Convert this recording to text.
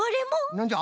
なんじゃ？